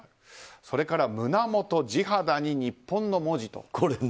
それから、胸元地肌に「日本」の文字と。